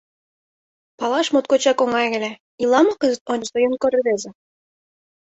Палаш моткочак оҥай ыле: ила мо кызыт ончычсо юнкор рвезе?